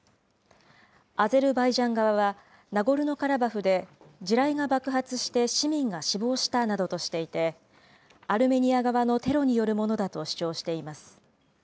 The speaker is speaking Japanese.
アゼルバイジャン側は、ナゴルノカラバフで地雷が爆発して市民が死亡したなどとしていて、アルメニア側のテロによるものだと主張しています。